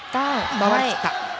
回りきった。